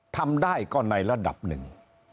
ทำได้ก็ในระดับหนึ่ง